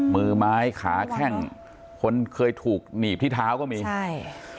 มือไม้ขาแข้งคนเคยถูกหนีบที่เท้าก็มีใช่